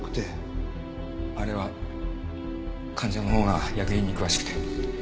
あれは患者のほうが薬品に詳しくて。